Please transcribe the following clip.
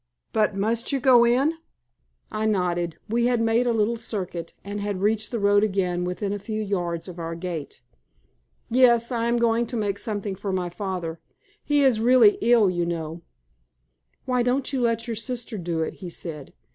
"But must you go in?" I nodded. We had made a little circuit, and had reached the road again within a few yards of our gate. "Yes, I am going to make something for my father. He is really ill, you know." "Why don't you let your sister do it?" he said.